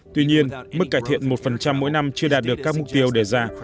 tuy nhiên mức cải thiện một mỗi năm chưa đạt được các mục tiêu đề ra